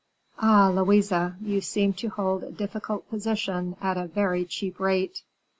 Ah, Louise, you seem to hold a difficult position at a very cheap rate."